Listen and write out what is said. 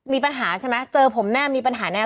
มีปัญหาใช่ไหมเจอผมแน่มีปัญหาแน่